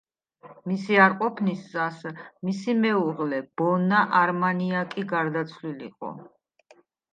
მისი არ ყოფნისას მისი მეუღლე, ბონა არმანიაკი გარდაცვლილიყო.